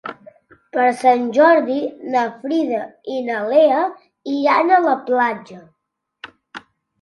Per Sant Jordi na Frida i na Lea iran a la platja.